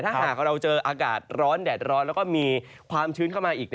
ถ้าหากเราเจออากาศร้อนแดดร้อนแล้วก็มีความชื้นเข้ามาอีก